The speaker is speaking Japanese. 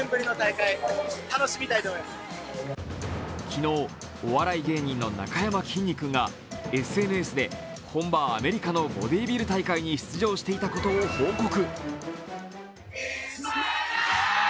昨日、お笑い芸人のなかやまきんに君がＳＮＳで本場アメリカのボディービル大会に出場していたことを報告。